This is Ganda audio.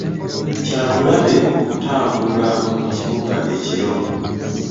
Kya bulabe okutambula mu kibuga ekiro.